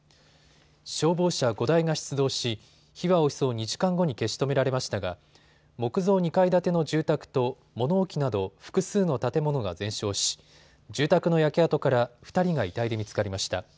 消防車５台が出動し、火はおよそ２時間後に消し止められましたが木造２階建ての住宅と物置など複数の建物が全焼し住宅の焼け跡から２人が遺体で見つかりました。